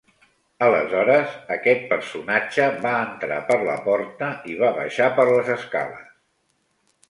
Aleshores aquest personatge va entrar per la porta i va baixar per les escales.